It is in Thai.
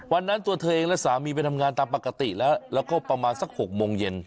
วันนั้นตัวเธอเองและสามีไปทำงานตามปกติแล้วแล้วก็ประมาณสัก๖โมงเย็น